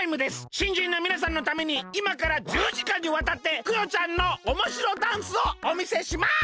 しんじんのみなさんのためにいまから１０時間にわたってクヨちゃんのおもしろダンスをおみせします！